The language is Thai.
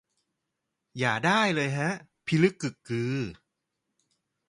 อย่าได้ เลยฮะ พิลึกกึกกือ